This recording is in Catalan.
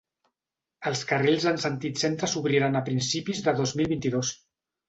Els carrils en sentit centre s’obriran a principis de dos mil vint-i-dos.